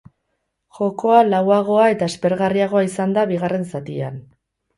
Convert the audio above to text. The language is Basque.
Jokoa lauagoa eta aspergarriagoa izan da bigarren zatian.